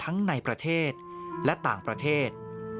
ทั้งในประเทศและต่างประเทศ